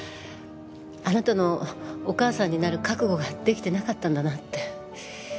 あなたのお母さんになる覚悟ができてなかったんだなって。